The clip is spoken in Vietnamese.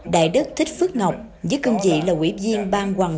đại đức thích phước ngọc giới công dị là quỹ viên